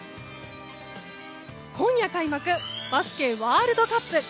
今夜開幕バスケワールドカップ。